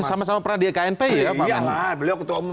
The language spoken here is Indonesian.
lu sama sama pernah di knpi ya pak iya lah beliau ketemu